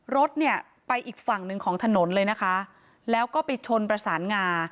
รถเนี่ยไปอีกฝั่งหนึ่งของถนนเลยนะคะแล้วก็ไปชนประสานงา